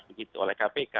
begitu oleh kpk